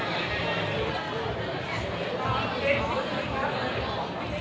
ครับผมขอบคุณค่ะ